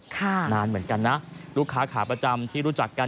นานเหมือนกันนะลูกค้าขาประจำที่รู้จักกัน